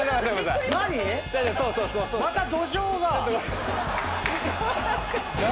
何⁉またどじょうが。